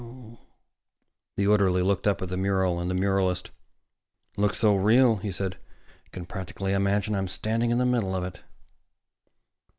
The orderly looked in at the mural and the muralist. "Looks so real," he said, "I can practically imagine I'm standing in the middle of it."